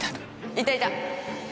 いたいた。